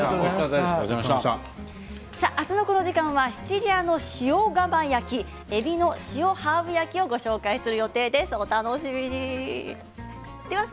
明日のこの時間はシチリアの塩釜焼きえびの塩ハーブ焼きをご紹介する予定です。